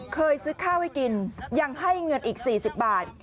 เคยซื้อข้าวให้กินยังให้เงินอีก๔๐บาท